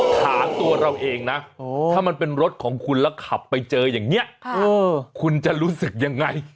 ถามตัวเราเองนะถ้ามันเป็นรถของคุณแล้วขับไปเจออย่างนี้คุณจะรู้สึกยังไง